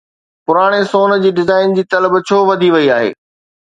پراڻي سون جي ڊيزائن جي طلب ڇو وڌي وئي آهي؟